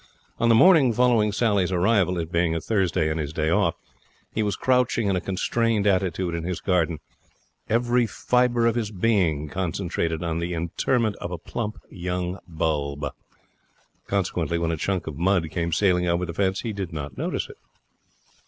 On the morning following Sally's arrival, it being a Thursday and his day off, he was crouching in a constrained attitude in his garden, every fibre of his being concentrated on the interment of a plump young bulb. Consequently, when a chunk of mud came sailing over the fence, he did not notice it.